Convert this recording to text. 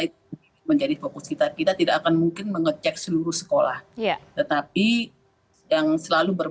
untuk jalur zonasi maupun jalur prestasi itu biasanya di daerah daerah kota atau di daerah urban ya